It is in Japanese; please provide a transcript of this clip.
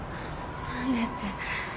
何でって。